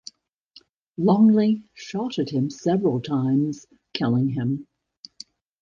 Longley shot at him several times, killing him.